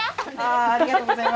ありがとうございます。